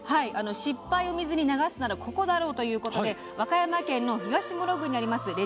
失敗を水に流すならここだろうということで和歌山県の東牟婁郡にあります